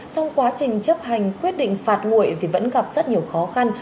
sau quá trình chấp hành quyết định phạt nguội vì vẫn gặp rất nhiều khó khăn